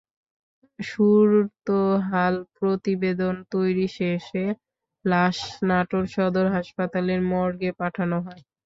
সুরতহাল প্রতিবেদন তৈরি শেষে লাশ নাটোর সদর হাসপাতালের মর্গে পাঠানো হয়।